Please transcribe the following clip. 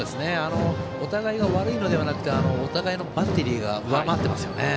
お互いが悪いのではなくてお互いのバッテリーが上回っていますね。